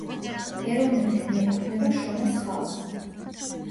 ეროვნებით მიეკუთვნება შონას ხალხს.